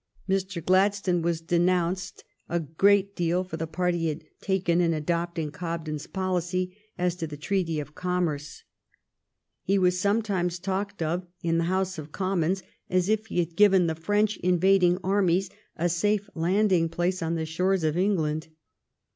Mr. Gladstone was denounced a great deal for the part he had taken in adopting Cobden's policy as to the Treatv of Commerce. He was some times talked of in the House of Commons as if he had given the French invading armies a safe landing place on the shores of England.